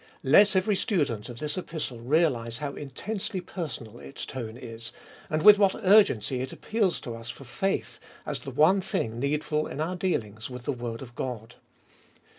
Let every student of this Epistle realise how intensely per sonal its tone is, and with what urgency it appeals to us for faith, as the one thing needful in our dealings with the word of God.